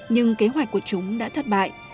nhưng kế hoạch của chúng đã thất bại